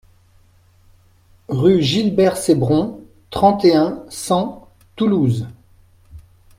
Rue Gilbert Cesbron, trente et un, cent Toulouse